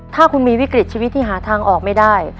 ถ้าคุณมีวิกฤตชีวิตที่หาทางออกไม่ได้